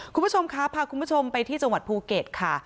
คุณผู้ชมครับพาคุณผู้ชมไปที่จังหวัดภูเก็ตค่ะ